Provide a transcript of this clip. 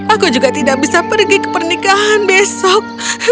aku juga tidak bisa pergi ke pernikahan besok